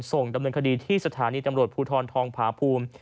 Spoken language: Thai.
ส่งดำเนินคดีที่สถานีตำรวจภูทรทองผาภูมิ